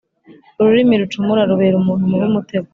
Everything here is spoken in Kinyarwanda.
ururimi rucumura rubera umuntu mubi umutego,